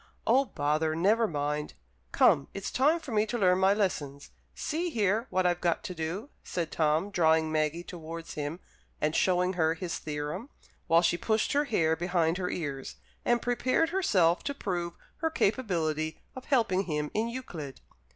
"Oh, bother, never mind! Come, it's time for me to learn my lessons. See here, what I've got to do," said Tom, drawing Maggie towards him and showing her his theorem, while she pushed her hair behind her ears, and prepared herself to prove her capability of helping him in Euclid.